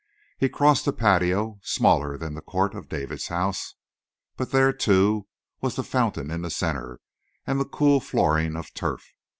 He crossed a patio, smaller than the court of David's house; but there, too, was the fountain in the center and the cool flooring of turf.